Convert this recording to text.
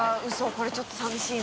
これちょっとさみしいな。